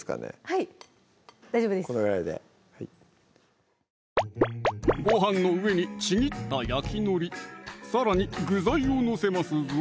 はい大丈夫ですご飯の上にちぎった焼きのりさらに具材を載せますぞ！